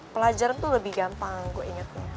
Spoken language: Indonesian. pelajaran tuh lebih gampang gue ingetnya